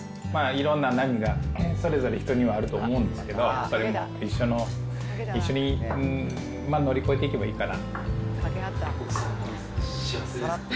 いろんな波がそれぞれ人にはあると思うんですけど、それも一緒に乗り越えていければいいかなと。